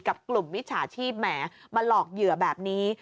กลุ่มมิจฉาชีพแหมมาหลอกเหยื่อแบบนี้